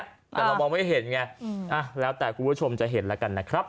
แต่เรามองไม่เห็นไงแล้วแต่คุณผู้ชมจะเห็นแล้วกันนะครับ